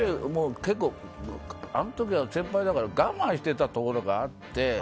結構、あの時は先輩だから我慢してたところがあって。